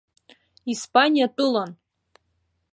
Испаниатәылан!